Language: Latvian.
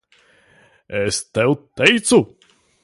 Es tev teicu.